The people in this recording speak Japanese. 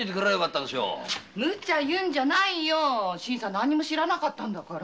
ムチャ言うんじゃないよ新さん何も知らなかったんだし。